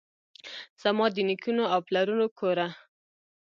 زما دنیکونو اوپلرونو کوره!